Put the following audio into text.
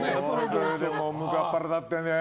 それで、むかっ腹立ってね。